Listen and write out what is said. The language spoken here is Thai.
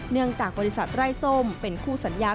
เนื่องจากบริษัทไร้ส้มเป็นคู่สัญญา